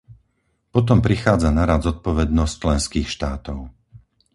Potom prichádza na rad zodpovednosť členských štátov.